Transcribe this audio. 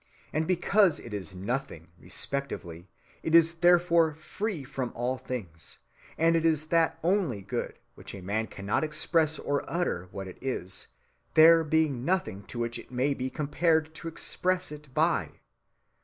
And because it is nothing respectively, it is therefore free from all things, and is that only good, which a man cannot express or utter what it is, there being nothing to which it may be compared, to express it by."